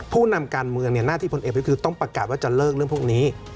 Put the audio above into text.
ผู้นำการเมืองหน้าที่พลเอกประยุทธ์คือต้องประกาศว่าจะเลิกเรื่องพวกนี้